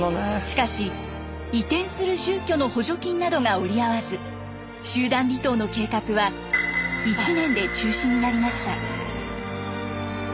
しかし移転する住居の補助金などが折り合わず集団離島の計画は１年で中止になりました。